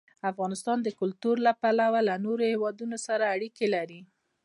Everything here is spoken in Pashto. افغانستان د کلتور له پلوه له نورو هېوادونو سره اړیکې لري.